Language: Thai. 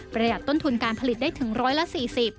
ประหยัดต้นทุนการผลิตได้ถึง๑๔๐